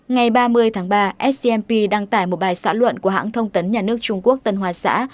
ngày ba mươi tháng ba smp đăng tải một bài xã luận của hãng thông tấn nhà nước trung quốc tân hoa xã